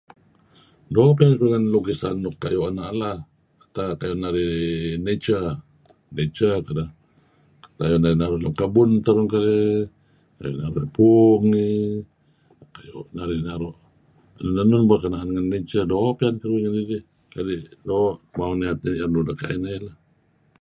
Doo' piyan ngen lukisan nuk kayu' ena' lah tak narih uhm nature. Nature kedeh kayu' narih naru' lem kebun terun keleh, puung , kayu' narih naru' enun-enun berkenaan ngen nature. Doo' pinian keduih ngidih. Doo' piyan nedeh leh.